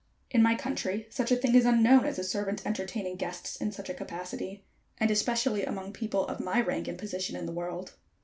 In my country such a thing is unknown as a servant entertaining guests in such a capacity, and especially among people of my rank and position in the world.